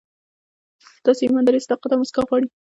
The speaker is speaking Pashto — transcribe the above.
ستاسو ایمانداري، صداقت او موسکا غواړي.